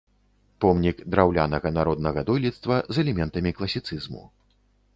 Помнік драўлянага народнага дойлідства з элементамі класіцызму.